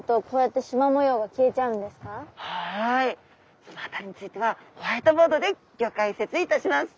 はいその辺りについてはホワイトボードでギョ解説いたします。